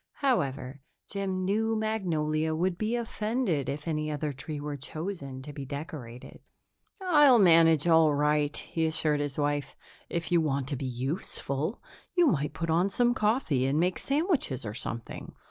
However, Jim knew Magnolia would be offended if any other tree were chosen to be decorated. "I'll manage all right," he assured his wife. "If you want to be useful, you might put on some coffee and make sandwiches or something.